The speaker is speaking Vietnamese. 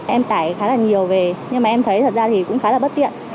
em tải khá là nhiều về nhưng mà em thấy thật ra thì cũng khá là bất tiện